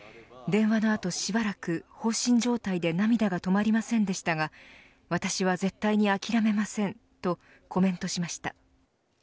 電話の後しばらく放心状態で涙が止まりませんでしたが私は絶対に諦めませんとコメントしました。